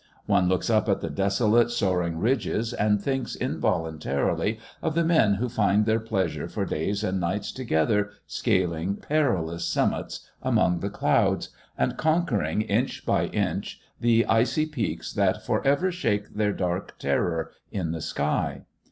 One looks up at the desolate, soaring ridges and thinks involuntarily of the men who find their pleasure for days and nights together scaling perilous summits among the clouds, and conquering inch by inch the icy peaks that for ever shake their dark terror in the sky.